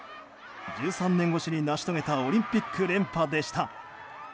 １３年越しに成し遂げたオリンピック連覇でした。